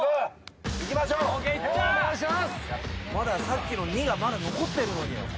さっきの２がまだ残ってるのに。